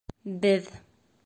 Беҙ...